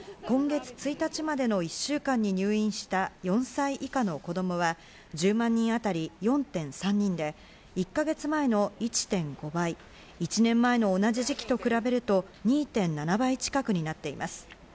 今月１日までの一週間に入院した４歳以下の子供は、１０万にあたり４．３人で１か月前の１．５倍、１年前の同じ時期と比べると２．７倍近くになっています。